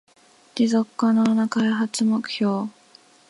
持続可能な開発目標